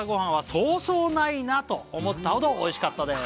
「そうそうないなと思ったほどおいしかったです」